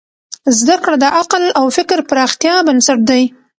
زدهکړه د عقل او فکر پراختیا بنسټ دی.